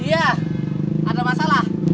iya ada masalah